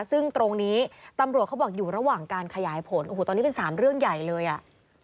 ซึ่งตรงนี้ตำรวจเขาบอกอยู่ระหว่างการขยายผลโอ้โหตอนนี้เป็น๓เรื่องใหญ่เลยอ่ะ